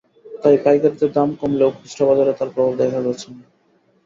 তাই পাইকারিতে দাম কমলেও খুচরা বাজারে তার প্রভাব দেখা যাচ্ছে না।